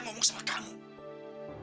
kamu sudah berubah